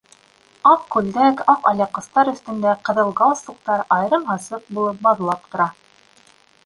Аҡ күлдәк, аҡ алъяпҡыстар өҫтөндә ҡыҙыл галстуктар айырым-асыҡ булып баҙлап тора.